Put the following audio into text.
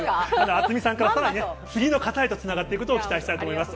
渥美さんからさらに、次の方へとつながっていくことを期待したいと思います。